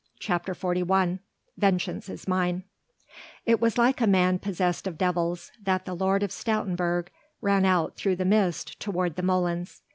CHAPTER XLI "VENGEANCE IS MINE" It was like a man possessed of devils that the Lord of Stoutenburg ran out through the mist toward the molens.